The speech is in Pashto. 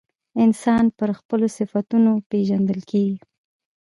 انسان پر خپلو صفتونو پیژندل کیږي.